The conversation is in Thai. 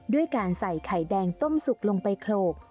ด้วยการใส่ไข่แดงต้มสุกลงไปโขลก